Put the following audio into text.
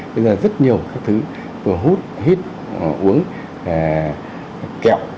bây giờ rất nhiều các thứ vừa hút hít uống kẹo